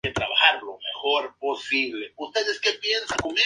El hábitat natural de las especies de "Aspergillus" son el heno y el compostaje.